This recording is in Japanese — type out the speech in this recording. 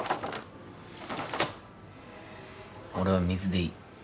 俺は水でいい。